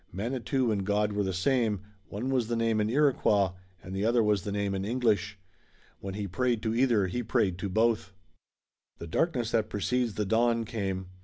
Manitou and God were the same, one was the name in Iroquois and the other was the name in English. When he prayed to either he prayed to both. The darkness that precedes the dawn came.